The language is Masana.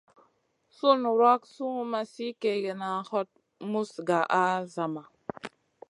Sùn wrak sungu ma sli kègèna, hot muz gaʼa a zama.